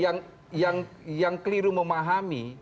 jadi yang keliru memahami